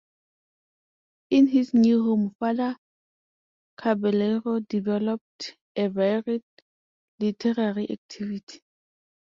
In his new home Father Caballero developed a varied literary activity.